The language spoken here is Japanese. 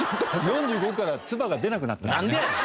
４５からつばが出なくなったんだよね。